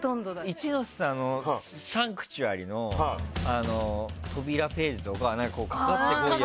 一ノ瀬さん『サンクチュアリ』の扉ページとかなんかこうかかってこいや！